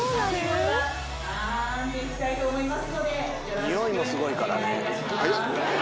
ニオイもすごいからね。